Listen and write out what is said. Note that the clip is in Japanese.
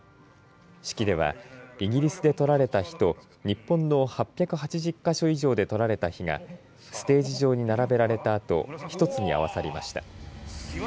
式ではイギリスで彩られた火と日本の８８０か所以上で採られた日がステージ上に並べられたあと一つにあわさりました。